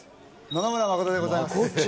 野々村真でございます。